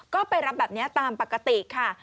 ก็ไปรับแบบนี้ตามปกติค่ะ